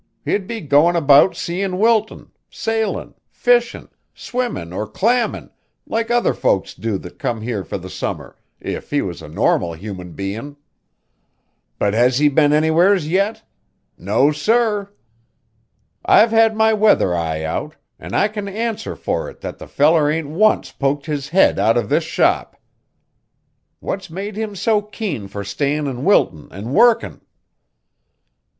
He'd be goin' about seein' Wilton, sailin', fishin', swimmin' or clammin', like other folks do that come here fur the summer, if he was a normal human bein'. But has he been anywheres yet? No, sir! I've had my weather eye out, an' I can answer for it that the feller ain't once poked his head out of this shop. What's made him so keen fur stayin' in Wilton an' workin'?"